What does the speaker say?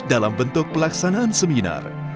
dalam bentuk pelaksanaan seminar